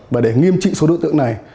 và để nghiêm trị số đối tượng này